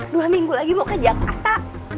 dua minggu lagi mau ke jakarta